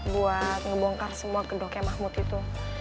buat ngebongkar semua gedoknya mahmud itu